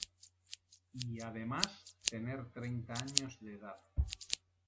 Y además, tener treinta años de edad.